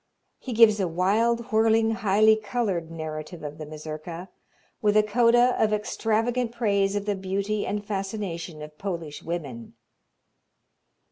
He gives a wild, whirling, highly colored narrative of the Mazurka, with a coda of extravagant praise of the beauty and fascination of Polish women.